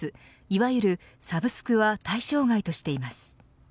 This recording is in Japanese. いわゆるサブスクは対象外としています。